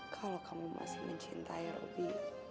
kalau kamu masih mencintai roby